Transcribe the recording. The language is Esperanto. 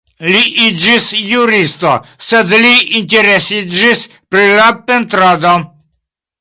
Li iĝis juristo, sed li interesiĝis pri la pentrado.